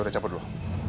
ya udah caput dulu